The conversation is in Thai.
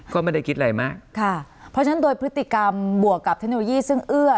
ก็ไม่ได้คิดอะไรมากค่ะเพราะฉะนั้นโดยพฤติกรรมบวกกับเทคโนโลยีซึ่งเอื้อ